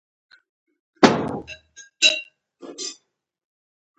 ونې باید څنګه کینول شي؟